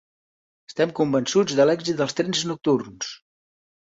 Estem convençuts de l’èxit dels trens nocturns.